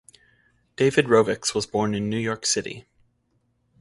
David Rovics was born in New York City.